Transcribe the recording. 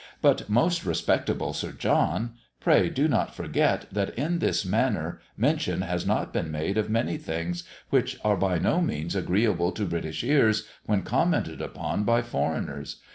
But, most respectable Sir John, pray do not forget that in this manner mention has not been made of many things which are by no means agreeable to British ears when commented upon by foreigners.